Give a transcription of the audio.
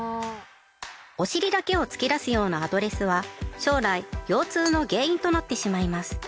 お尻だけを突き出すようなアドレスは将来腰痛の原因となってしまいます。